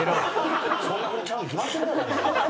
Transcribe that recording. そんなフリちゃうに決まってるやろお前。